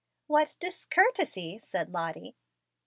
"What DISCOURTESY!" said Lottie.